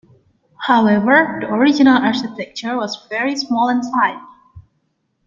However, the original architecture was very small and tight.